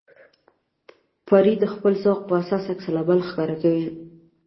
پرې د خپل ذوق په اساس عکس العمل ښکاره کوي.